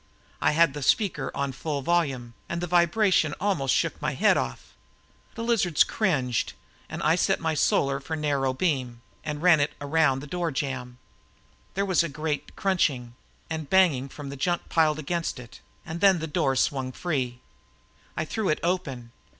I had the speaker on full volume and the vibration almost shook my head off. The lizards cringed and I set my Solar for a narrow beam and ran it around the door jamb. There was a great crunching and banging from the junk piled against it, and then the door swung free. I threw it open.